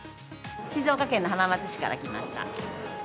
静岡県の浜松市から来ました。